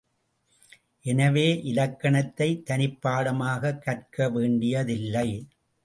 எனவே இலக்கணத்தைத் தனிப்பாடமாகக் கற்கவேண்டியதில்லை.